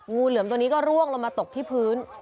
งูเหลือมตัวนี้ก็ร่วงลงมาตกที่พื้น